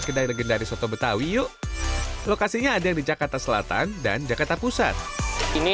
kedai legendaris soto betawi yuk lokasinya ada di jakarta selatan dan jakarta pusat ini